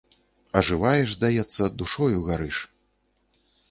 Ажываеш, здаецца, душою гарыш.